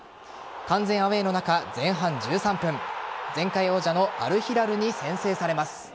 完全アウェーの中、前半１３分前回王者のアルヒラルに先制されます。